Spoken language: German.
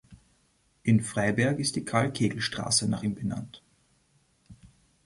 In Freiberg ist die Karl-Kegel-Straße nach ihm benannt.